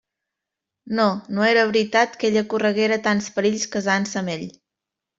No; no era veritat que ella correguera tants perills casant-se amb ell.